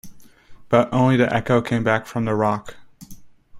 But only the echo came back from the rock.